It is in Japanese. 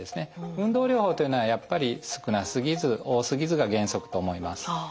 運動療法というのはやっぱり少なすぎず多すぎずが原則と思います。